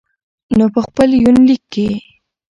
نو په خپل يونليک کې يې